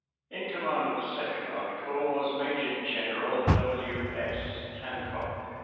In command of the Second Army Corps was Major General W. S. Hancock.